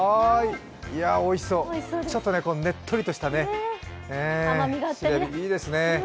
おいしそう、ちょっとねっとりとしたシロエビ、いいですね。